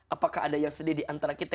apakah ada yang sedih diantara kita